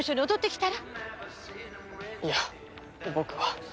いや僕は。